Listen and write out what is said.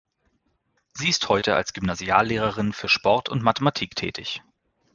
Sie ist heute als Gymnasiallehrerin für Sport und Mathematik tätig.